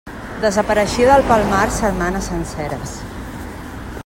Desapareixia del Palmar setmanes senceres.